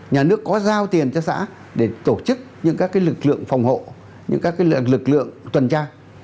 nhà nước có giao tiền cho xã để tổ chức những các lực lượng phòng hộ những các lực lượng tuần tra